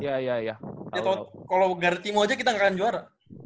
kalo ga ada timo aja kita nggak kangen juara